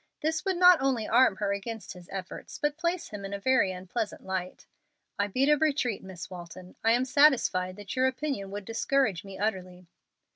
This would not only arm her against his efforts, but place him in a very unpleasant light. "I beat a retreat, Miss Walton. I am satisfied that your opinion would discourage me utterly."